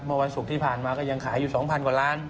วันศุกร์ที่ผ่านมาก็ยังขายอยู่๒๐๐กว่าล้าน